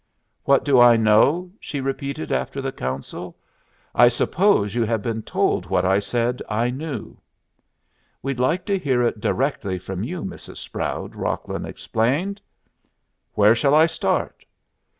"What do I know?" she repeated after the counsel. "I suppose you have been told what I said I knew." "We'd like to hear it directly from you, Mrs. Sproud," Rocklin explained. "Where shall I start?"